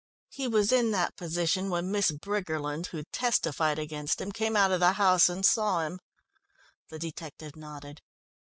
He was in that position when Miss Briggerland, who testified against him, came out of the house and saw him." The detective nodded.